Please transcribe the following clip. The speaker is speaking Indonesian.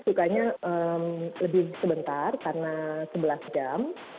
sukanya lebih sebentar karena sebelas jam